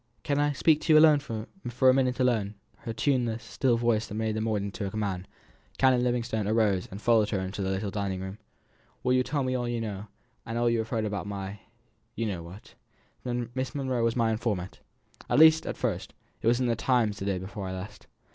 "Can I speak to you for a minute alone?" Her still, tuneless voice made the words into a command. Canon Livingstone arose and followed her into the little dining room. "Will you tell me all you know all you have heard about my you know what?" "Miss Monro was my informant at least at first it was in the Times the day before I left.